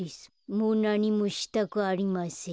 もうなにもしたくありません。